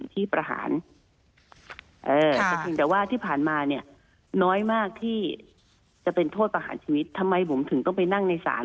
ถ้าผมถึงจะเป็นโทษประหารชีวิตทำไมผมถึงต้องไปนั่งในศาล